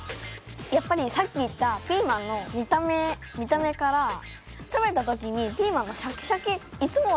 やっぱりさっき言ったピーマンの見た目から食べた時にピーマンがシャキシャキ。